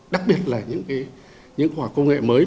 đặc biệt là những khoa học công nghệ mới